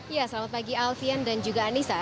ya selamat pagi alfian dan juga anissa